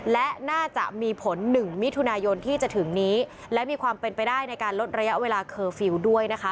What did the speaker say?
และน่าจะมีผล๑มิถุนายนที่จะถึงนี้และมีความเป็นไปได้ในการลดระยะเวลาเคอร์ฟิลล์ด้วยนะคะ